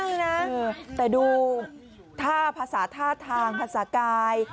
เบาหนักมากนะแต่ดูภาษาท่าทางภาษากาย